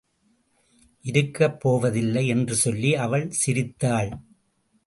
இருக்கப் போவதில்லை! என்று சொல்லி அவள் சிரித்தாள்!